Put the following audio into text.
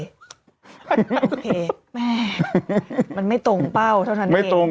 โอเคแม่มันไม่ตรงเป้าเท่านั้นเอง